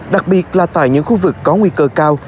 đặc biệt là tại những khu vực có nguy cơ cao